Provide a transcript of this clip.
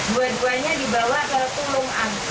dua duanya dibawa ke tulung agung